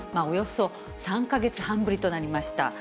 およそ３か月半ぶりとなりました。